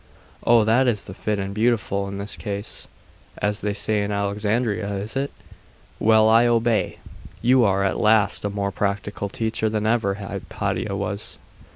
'Oh! that is the "fit and beautiful," in this case, as they say in Alexandria, is it? Well I obey. You are at least a more practical teacher than ever Hypatia was.